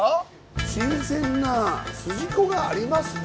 新鮮なすじこがありますね。